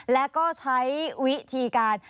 แล้วก็ใช้วิธีการ